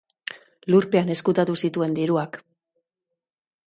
Lurpean ezkutatu zituen diruak.